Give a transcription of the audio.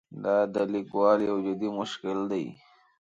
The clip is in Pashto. دا د لیکوالو یو جدي مشکل دی.